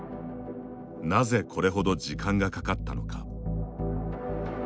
なぜこれほど時間がかかったのか。